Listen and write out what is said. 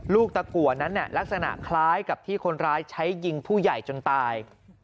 ลูกตะกัวนั้นลักษณะคล้ายกับที่คนร้ายใช้ยิงผู้ใหญ่จนตาย